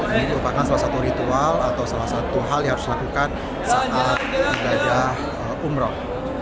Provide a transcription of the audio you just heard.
ini merupakan salah satu ritual atau salah satu hal yang harus dilakukan saat ibadah umroh